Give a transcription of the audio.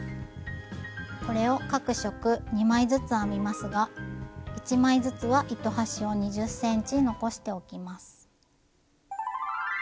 これを各色２枚ずつ編みますが１枚ずつは糸端を２０ｃｍ残しておきます。